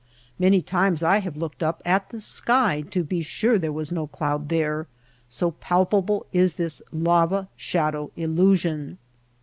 Many times I have looked up at the sky to be sure there was no cloud there, so palpable is this lava shadow illusion.